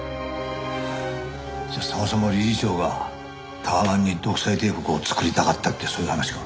じゃあそもそも理事長がタワマンに独裁帝国を作りたかったってそういう話か？